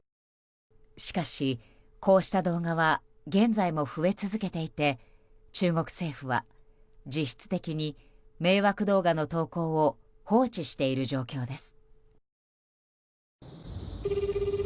しかし、こうした動画は現在も増え続けていて中国政府は実質的に迷惑動画の投稿を放置している状況です。